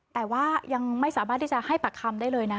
แต่ว่ายังไม่สามารถที่จะให้ปากคำได้เลยนะ